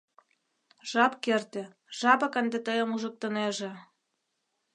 Жап керте, жапак ынде тыйым ужыктынеже.